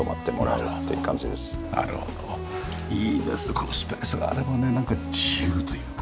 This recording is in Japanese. このスペースがあればねなんか自由というか。